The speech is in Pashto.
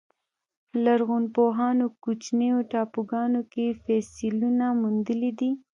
لرغونپوهانو کوچنیو ټاپوګانو کې فسیلونه موندلي دي.